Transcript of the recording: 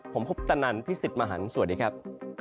ผมพบตะนันพี่สิทธิ์มหาลสวัสดีครับ